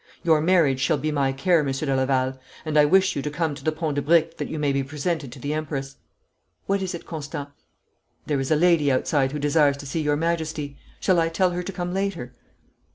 Your marriage shall be my care, Monsieur de Laval. And I wish you to come to the Pont de Briques that you may be presented to the Empress. What is it, Constant?' 'There is a lady outside who desires to see your Majesty. Shall I tell her to come later?'